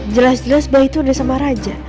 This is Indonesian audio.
jelas jelas bayi tuh udah sama raja